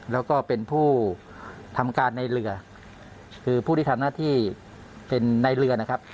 แล้วก็เป็นผู้ทำการในเรือคือผู้ที่ทำหน้าที่เป็นในเรือนะครับ